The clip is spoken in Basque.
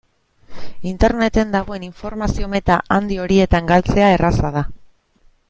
Interneten dagoen informazio-meta handi horietan galtzea erraza da.